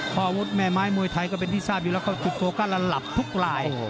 อาวุธแม่ไม้มวยไทยก็เป็นที่ทราบอยู่แล้วก็ติดโฟกัสแล้วหลับทุกลาย